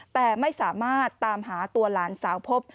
แต่ไม่สามารถตามหาตัวหลานสาวพบ